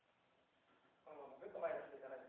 このままグッと前に出していただいて。